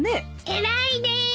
偉いです。